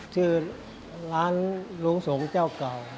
ชื่อร้านลุงสงฆ์เจ้าเก่า